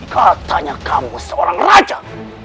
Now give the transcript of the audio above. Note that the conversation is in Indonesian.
katanya kamu seorang raja